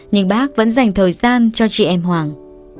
nhưng bác vẫn dành thời gian cho chị em hoàng